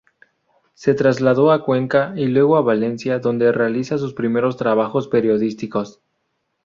Se trasladó a Cuenca y luego a Valencia donde realiza sus primeros trabajos periodísticos.